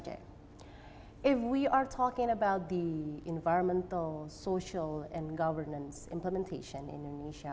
jika kita berbicara tentang implementasi kewangan sosial dan pemerintah di indonesia